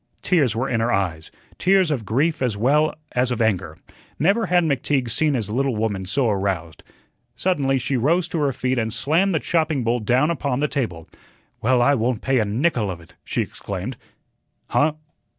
Tears were in her eyes, tears of grief as well as of anger. Never had McTeague seen his little woman so aroused. Suddenly she rose to her feet and slammed the chopping bowl down upon the table. "Well, I won't pay a nickel of it," she exclaimed. "Huh?